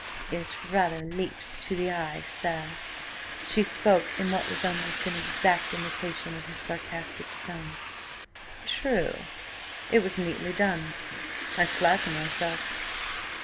"It rather leaps to the eye, sir." She spoke in what was almost an exact imitation of his sarcastic tone. "True. It was neatly done, I flatter myself."